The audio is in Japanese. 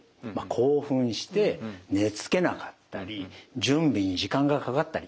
興奮して寝つけなかったり準備に時間がかかったり。